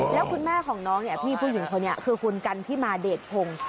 แล้วคุณแม่ของน้องเนี่ยพี่ผู้หญิงคนนี้คือคุณกันที่มาเดชพงศ์